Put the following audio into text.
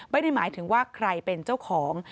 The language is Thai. ไม่ได้หมายถึงว่าใครเป็นเจ้าของ